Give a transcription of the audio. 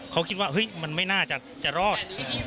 เขาคิดว่ามันไม่น่าจะรอด